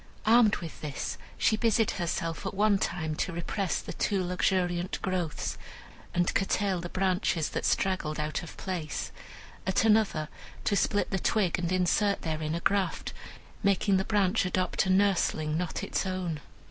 Armed with this, she busied herself at one time to repress the too luxuriant growths, and curtail the branches that straggled out of place; at another, to split the twig and insert therein a graft, making the branch adopt a nursling not its own.